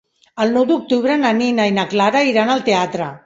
El nou d'octubre na Nina i na Clara iran al teatre.